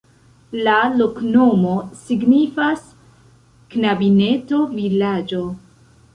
La loknomo signifas: knabineto-vilaĝo.